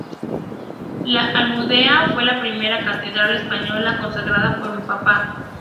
La Almudena fue la primera catedral española consagrada por un papa.